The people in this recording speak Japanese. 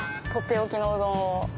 とっておきのうどんを。